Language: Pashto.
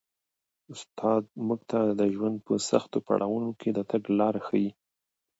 استاد موږ ته د ژوند په سختو پړاوونو کي د تګ لاره ښيي.